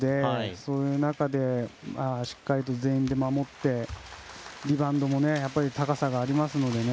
そういう中でしっかりと全員で守ってリバウンドも高さがありますのでね